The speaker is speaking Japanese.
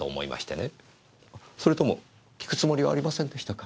それとも訊くつもりはありませんでしたか？